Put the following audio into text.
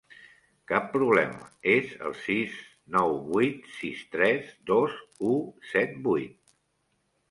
Cap problema, és el sis nou vuit sis tres dos u set vuit.